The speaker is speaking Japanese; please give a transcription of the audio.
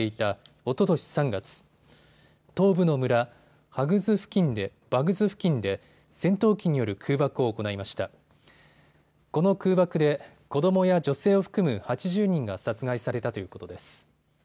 この空爆で子どもや女性を含む８０人が殺害されたということです。